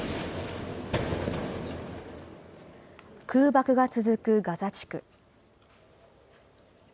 空爆が続くガザ地区。